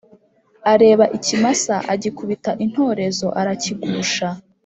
Areba ikimasa agikubita intorezo arakigusha